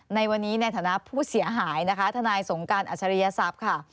ในวันนี้ในฐานะผู้เสียหายนะคะทนายสงการอัชริยทรัพย์ค่ะ